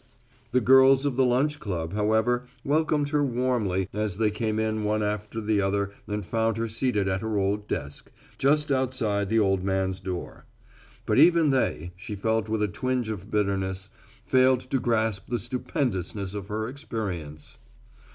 The girls of the lunch club, however, welcomed her warmly as they came in one after the other and found her seated at her old desk, just outside the old man's door. But even they, she felt with a twinge of bitterness, failed to grasp the stupendousness of her experience.